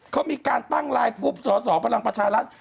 เขามีการตั้งไลน์กรุ๊ปสสพลังประชารัฐ